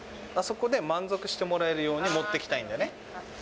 あそこで満足してもらえるように持っていきたいんだよね。